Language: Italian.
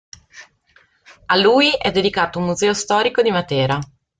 A lui è dedicato un museo storico di Matera.